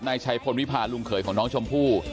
นายชัยพลวิพาลุงเขยของน้องชมพู่